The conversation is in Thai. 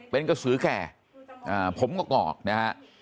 เป็นกระสือแก่ผมงอกนะฮะ